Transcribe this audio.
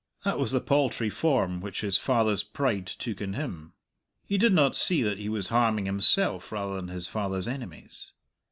That was the paltry form which his father's pride took in him. He did not see that he was harming himself rather than his father's enemies.